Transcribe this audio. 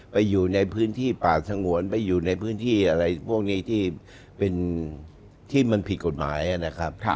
อยู่ในพื้นที่ป่าสงวนไปอยู่ในพื้นที่อะไรพวกนี้ที่เป็นที่มันผิดกฎหมายนะครับ